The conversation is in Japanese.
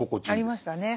ありましたね。